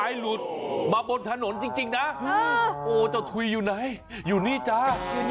หลุดมาบนถนนจริงนะโอ้เจ้าถุยอยู่ไหนอยู่นี่จ้า